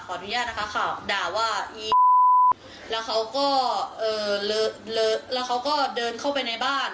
ขออนุญาตนะคะด่าว่าและเขาก็เดินเข้าไปในบ้าน